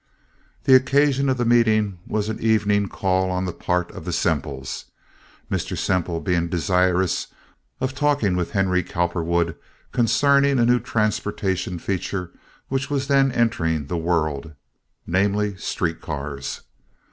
The occasion of the meeting was an evening call on the part of the Semples, Mr. Semple being desirous of talking with Henry Cowperwood concerning a new transportation feature which was then entering the world—namely, street cars.